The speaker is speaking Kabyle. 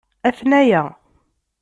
Atnaya.